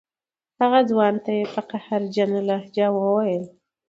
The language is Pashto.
هغه ځوان ته یې په قهرجنه لهجه وویل.